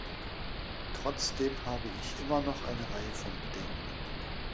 Trotzdem habe ich immer noch eine Reihe von Bedenken.